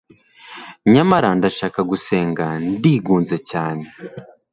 Nyamara ndashaka gusenga ndigunze cyane